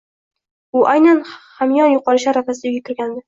U aynan hamyon yoʻqolishi arafasida uyiga kirgandi